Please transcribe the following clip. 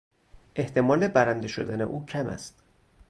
احتمال برنده شدن او کم است.